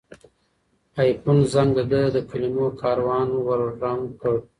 د آیفون زنګ د ده د کلمو کاروان ور ړنګ کړ.